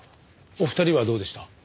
お二人はどうでした？